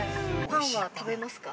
◆パンは食べますか？